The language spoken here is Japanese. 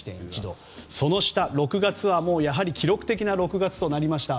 その下、６月はやはり記録的な６月となりました。